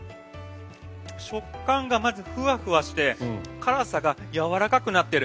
食感がまずふわふわして辛さがやわらかくなっている。